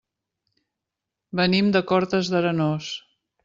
Venim de Cortes d'Arenós.